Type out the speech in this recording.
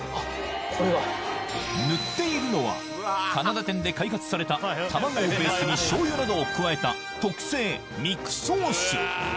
塗っているのはカナダ店で開発された卵をベースにしょうゆなどを加えた特製「ＭＩＫＵ」ソース